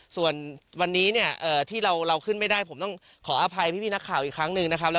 ส่วนวันนี้เนี่ยที่เราขึ้นไม่ได้ผมต้องขออภัยพี่นักข่าวอีกครั้งหนึ่งนะครับ